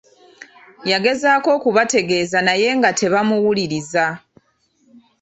Yagezaako okubategeeza naye nga tebamuwuliriza.